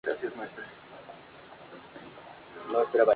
Al final de la gira de "It's Blitz!